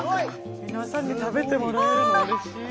皆さんに食べてもらえるのうれしい。